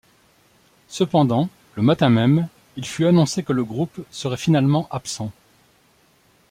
Cependant, le matin même, il fut annoncé que le groupe serait finalement absent.